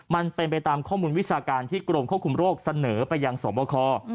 มันเป็นไปตามข้อมูลวิชาการที่กรมควบคุมโรคเสนอไปยังสวบค